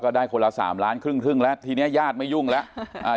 เขาก็ได้คนละสามล้านครึ่งแล้วทีนี้ญาติไม่ยุ่งแล้ว